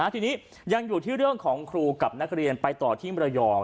ทีนี้ยังอยู่ที่เรื่องของครูกับนักเรียนไปต่อที่มรยอง